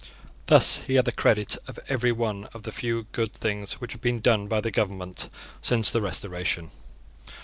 Thus he had the credit of every one of the few good things which had been done by the government since the Restoration.